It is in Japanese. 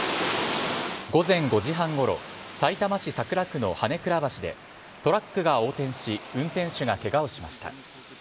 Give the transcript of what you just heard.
午前５時半ごろさいたま市桜区の羽根倉橋でトラックが横転し運転手がケガをしました。